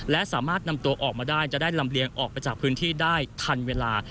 และสามารถนำตัวออกมาได้จะได้ลำเลียงออกไปจากพื้นที่ได้ทันเวลา